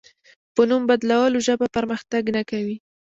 په نوم بدلولو ژبه پرمختګ نه کوي.